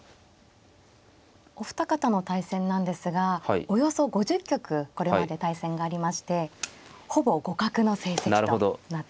お二方の対戦なんですがおよそ５０局これまで対戦がありましてほぼ互角の成績となっています。